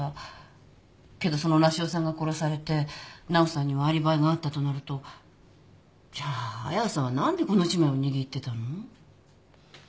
けどその梨世さんが殺されて奈緒さんにはアリバイがあったとなるとじゃあ亜矢さんは何でこの一枚を握ってたの？